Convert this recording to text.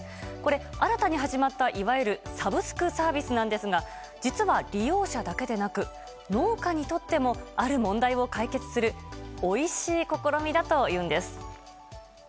新たに始まったサブスクサービスなんですが実は利用者だけでなく農家にとってもある問題を解決するおいしい試みだというんです。